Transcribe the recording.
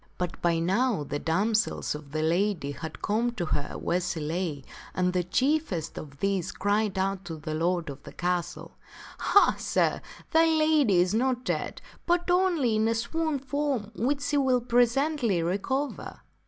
But by now the damsels of the lady had come to her where she lay, and the chiefest of these cried out to the lord of the castle, " Ha, sir, thy lady is not dead, but only in a swoon from which she will presently re cover."